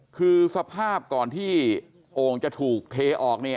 คือสภาพก่อนที่โอ่งจะถูกเทออก